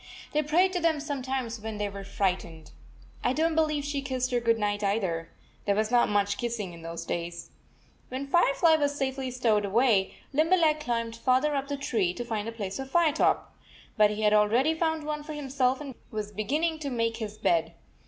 They prayed to them sometimes when they were frightened. I don t believe she kissed her good night, either. There was not much kissing in those days.. When Firefly was safely stowed away, Limberleg climbed farther up the tree to find a place for Firetop. But he had already found one for himself and was beginning to make his bed.